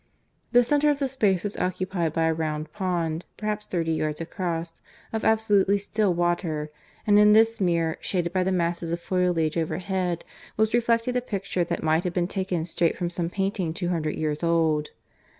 The centre of the space was occupied by a round pond, perhaps thirty yards across, of absolutely still water, and in this mirror, shaded by the masses of foliage overhead, was reflected a picture that might have been taken straight from some painting two hundred years old.